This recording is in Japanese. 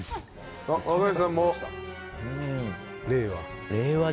若林さんも令和。